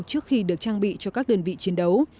trước khi được trang bị cho các đơn vị chiến đấu